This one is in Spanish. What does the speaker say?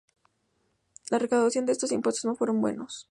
La recaudación de estos impuestos no fueron buenos.